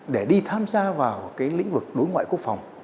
để đi tham gia vào cái lĩnh vực đối ngoại quốc phòng